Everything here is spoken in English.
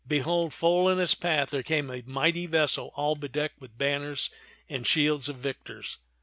Behold, full in its path there came a mighty vessel all bedecked with banners and shields of victors.